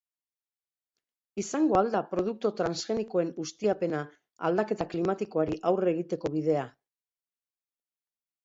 Izango al da produktu transgenikoen ustiapena aldaketa klimatikoari aurre egiteko bidea?